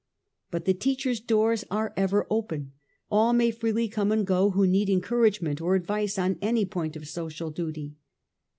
But the teacher's doors are ever open ; all may freely come and go who need encouragement or advice on any point of social duty.